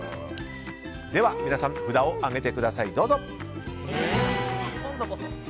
では皆さん、札を上げてください。